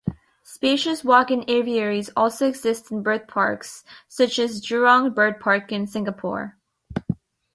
Spacious walk-in aviaries also exist in bird parks such as Jurong BirdPark in Singapore.